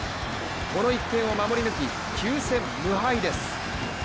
この１点を守り抜き９戦無敗です。